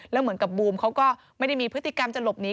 แล้วเหมือนกับบูมเขาก็ไม่ได้มีพฤติกรรมจะหลบหนี